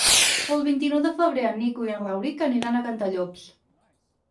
El vint-i-nou de febrer en Nico i en Rauric aniran a Cantallops.